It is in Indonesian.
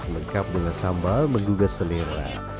lengkap dengan sambal menggugah selera